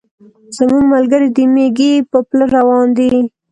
زموږ ملګري د مېږي په پله روان دي.